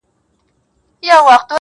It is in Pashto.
زموږه دوو زړونه دي تل په خندا ونڅيږي.